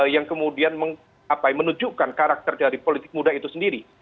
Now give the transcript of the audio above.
yang kemudian menunjukkan karakter dari politik muda itu sendiri